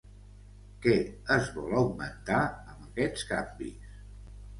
Què es vol augmentar amb aquests canvis?